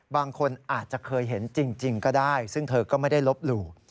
บางคนอาจจะเคยเห็นจริงก็ได้ซึ่งเธอก็ไม่ได้ลบหลู่